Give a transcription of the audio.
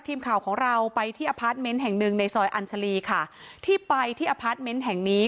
ทีมข่าวของเราไปที่แห่งหนึ่งในซอยอัญชาลีค่ะที่ไปที่แห่งนี้